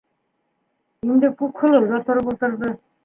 Инде Күкһылыу ҙа тороп ултырҙы: